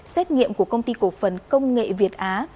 xét nghiệm của công ty cổ phần công nghệ việt á